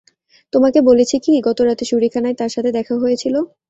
তোমাকে বলেছি কি, গতরাতে শুঁড়িখানায় তার সাথে দেখা হয়েছিল?